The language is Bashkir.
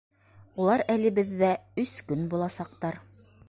Улар әле беҙҙә өс көн буласаҡтар.